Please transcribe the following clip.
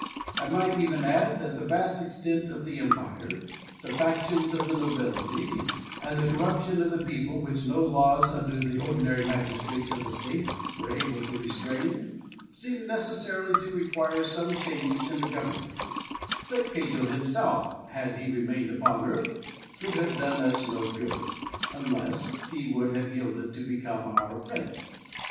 I might even add, that the vast extent of the empire, the factions of the nobility, and the corruption of the people, which no laws under the ordinary magistrates of the state were able to restrain, seemed necessarily to require some change in the government; that Cato himself, had he remained upon earth, could have done us no good, unless he would have yielded to become our prince.